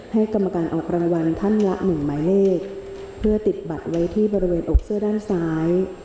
กรรมการออกรางวัลท่านละหนึ่งหมายเลขเพื่อติดบัตรไว้ที่บริเวณอกเสื้อด้านซ้าย